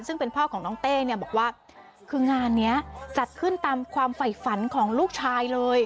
ซึ่งเป็นพ่อของน้องเต้เนี่ยบอกว่าคืองานนี้จัดขึ้นตามความไฝฝันของลูกชายเลย